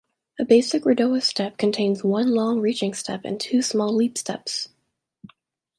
A basic redowa step contains one long reaching step and two small leap-steps.